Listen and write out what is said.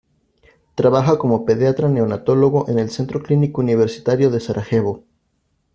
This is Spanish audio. Trabaja como pediatra-neonatólogo en el Centro Clínico Universitario de Sarajevo.